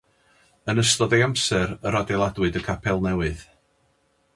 Yn ystod ei amser yr adeiladwyd y capel newydd.